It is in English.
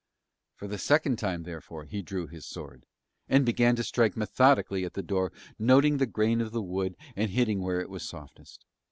For the second time therefore he drew his sword, and began to strike methodically at the door, noting the grain in the wood and hitting where it was softest.